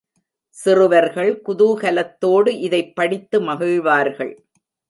சிறுவர்கள் குதூகலத்தோடு இதைப்படித்து மகிழ்வார்கள்.